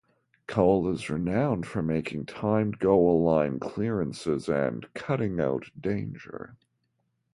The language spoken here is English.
Cole is renowned for making timed goal-line clearances and "cutting out danger".